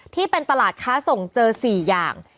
ที่เป็นตลาดค้าส่งเจอ๔อย่าง